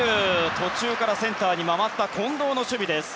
途中からセンターに回った近藤の守備です。